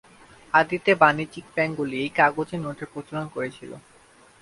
আদিতে বাণিজ্যিক ব্যাংকগুলি এই কাগুজে নোটের প্রচলন করেছিল।